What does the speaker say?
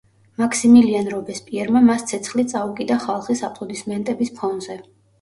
მაქსიმილიან რობესპიერმა მას ცეცხლი წაუკიდა ხალხის აპლოდისმენტების ფონზე.